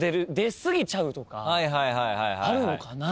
あるのかなと。